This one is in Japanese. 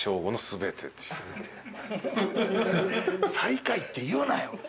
最下位って言うなよ。